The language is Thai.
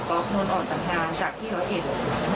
ก็นวลออกจากงานจากที่ร้อยเอ็ด